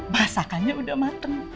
masakannya udah mateng